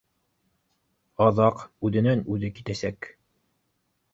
Аҙаҡ үҙенән-үҙе китәсәк